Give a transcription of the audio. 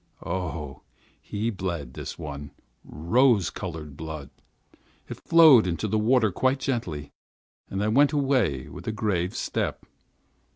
Oh! he bled, this one! Rose colored blood. It flowed into the water, quite gently. And I went away with a grave step.